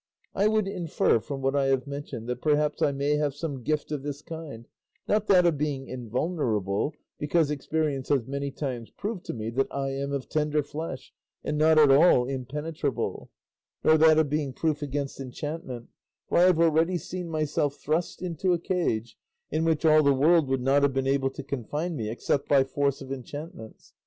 I would infer from what I have mentioned that perhaps I may have some gift of this kind, not that of being invulnerable, because experience has many times proved to me that I am of tender flesh and not at all impenetrable; nor that of being proof against enchantment, for I have already seen myself thrust into a cage, in which all the world would not have been able to confine me except by force of enchantments.